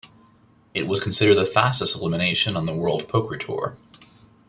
It was considered the fastest elimination on the World Poker Tour.